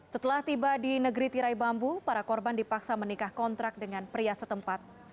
setelah tiba di negeri tirai bambu para korban dipaksa menikah kontrak dengan pria setempat